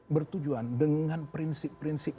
bertujuan dengan prinsip prinsip